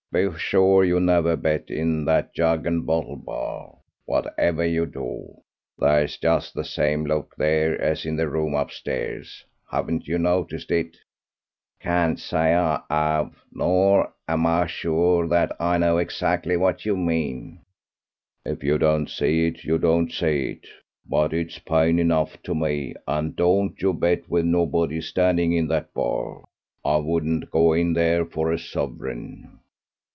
Be sure you never bet in that jug and bottle bar, whatever you do. There's just the same look there as in the room upstairs. Haven't you noticed it?" "Can't say I've, nor am I sure that I know exactly what you mean." "If you don't see it, you don't see it; but it's plain enough to me, and don't you bet with nobody standing in that bar. I wouldn't go in there for a sovereign."